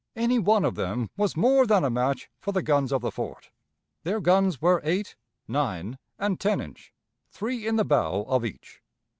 Any one of them was more than a match for the guns of the fort. Their guns were eight, nine, and ten inch, three in the bow of each.